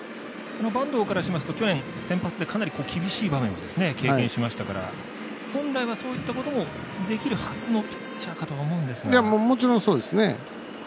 板東からしますと去年、先発でかなり厳しい場面経験しましたから本来は、そういったこともできるはずのもちろん、そうですね。